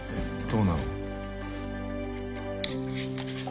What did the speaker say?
そうなの？